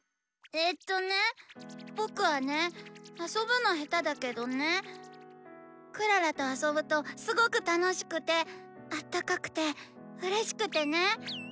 えっとねぇぼくはねぇあそぶのヘタだけどねぇクララとあそぶとすごくたのしくてあったかくてうれしくてねぇ。